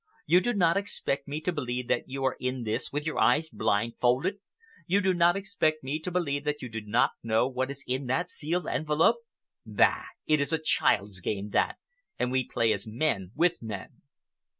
You do not expect me to believe that you are in this with your eyes blindfolded? You do not expect me to believe that you do not know what is in that sealed envelope? Bah! It is a child's game, that, and we play as men with men."